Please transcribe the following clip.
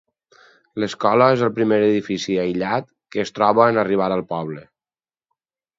L'escola és el primer edifici, aïllat, que es troba en arribar al poble.